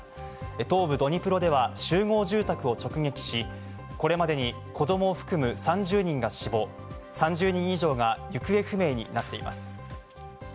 東部ドニプロでは集合住宅を直撃し、これまでに子供を含む３０人が死亡、３０人以上が行方不明になっています。